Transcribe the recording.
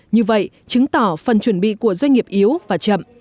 như vậy chứng tỏ phần chuẩn bị của doanh nghiệp yếu và chậm